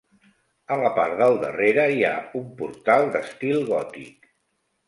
A la part del darrere hi ha un portal d'estil gòtic.